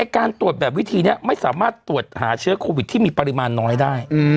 การตรวจแบบวิธีนี้ไม่สามารถตรวจหาเชื้อโควิดที่มีปริมาณน้อยได้